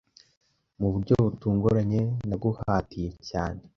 mu buryo butunguranye naguhatiye cyane